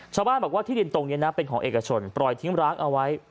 ชาวบ้านบอกว่าที่ดินตรงนี้นะเป็นของเอกชนปล่อยทิ้งร้างเอาไว้